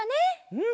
うん。